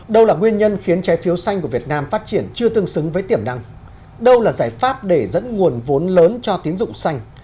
đâu là nguyên nhân khiến trái phiếu xanh của việt nam phát triển chưa tương xứng với tiềm năng đâu là giải pháp để dẫn nguồn vốn lớn cho tiến dụng xanh